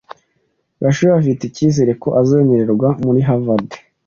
Gashuhe afite icyizere ko azemerwa muri Harvard.